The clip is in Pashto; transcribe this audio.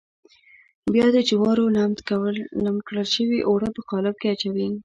بیا د جوارو لمد کړل شوي اوړه په قالب کې اچوي.